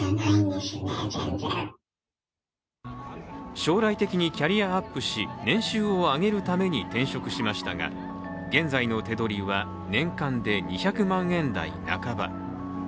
将来的にキャリアアップし、年収を上げるために転職しましたが現在の手取りは、年間で２００万円台半ば。